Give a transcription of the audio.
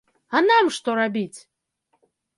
А нам што рабіць?